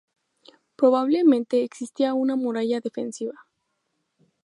Probablemente existía una muralla defensiva.